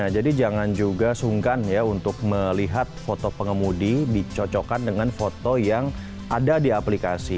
jadi jangan juga sungkan untuk melihat foto pengemudi dicocokkan dengan foto yang ada di aplikasi